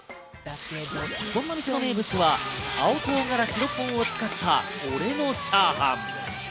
そんな店の名物は青唐辛子６本を使った俺のチャーハン。